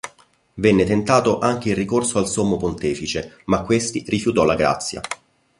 Venne tentato anche il ricorso al sommo pontefice ma questi rifiutò la grazia.